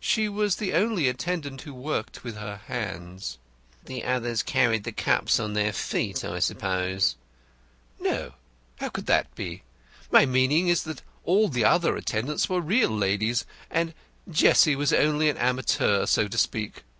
She was the only attendant who worked with her hands." "The others carried the cups on their feet, I suppose." "No; how could that be? My meaning is that all the other attendants were real ladies, and Jessie was only an amateur, so to speak.